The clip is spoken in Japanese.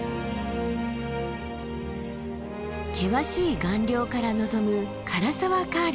険しい岩稜から望む涸沢カール。